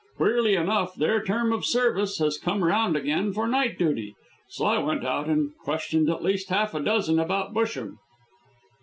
Queerly enough their term of service has come round again for night duty, so I went out and questioned at least half a dozen about Busham."